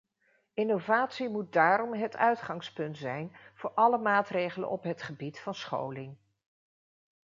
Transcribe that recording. Innovatie moet daarom het uitgangspunt zijn voor alle maatregelen op het gebied van scholing.